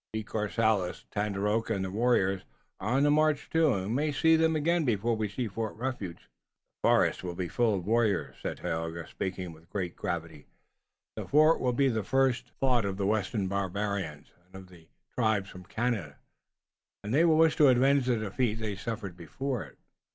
De Courcelles, Tandakora and the warriors are on the march, too, and we may see them again before we see Fort Refuge." "The forest will be full of warriors," said Tayoga, speaking with great gravity. "The fort will be the first thought of the western barbarians, and of the tribes from Canada, and they will wish to avenge the defeat they suffered before it."